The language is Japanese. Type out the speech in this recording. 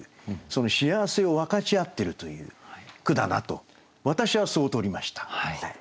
その幸せを分かち合ってるという句だなと私はそうとりましたね。